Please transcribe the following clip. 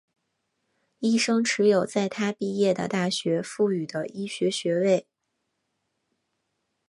医生持有在他毕业的大学赋予的医学学位。